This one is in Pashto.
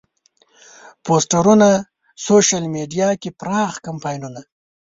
پوسترونه، سوشیل میډیا کې پراخ کمپاینونه.